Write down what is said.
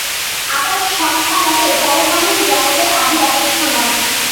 আবার সাংখ্যমতে পরমাণুই জগতের আদি অবস্থা নয়।